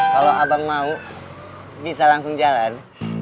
kalau abang mau bisa langsung jalan